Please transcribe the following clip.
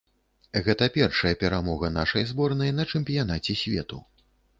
Гэта першая перамога нашай зборнай на чэмпіянаце свету.